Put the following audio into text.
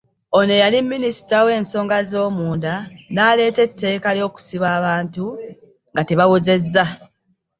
Ono yali Minisita w’ensonga z’omunda n’aleeta etteeka ery’okusiba abantu nga tebawozezza.